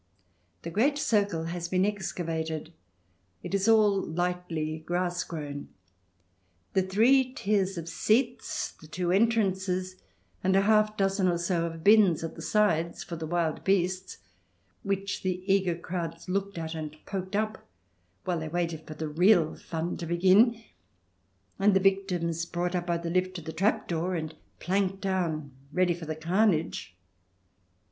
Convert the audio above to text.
The great circle has been excavated — it is all lightly grass grown — the three tiers of seats, the two entrances, and a half dozen or so of bins at the sides for the wild beasts, which the eager crowds looked at and poked up while they waited for the real fun to begin, and the victims brought up by the lift to the trap door and planked down ready for the carnage.